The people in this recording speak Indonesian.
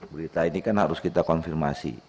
berita ini kan harus kita konfirmasi